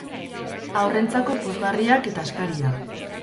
Haurrentzako puzgarriak eta askaria.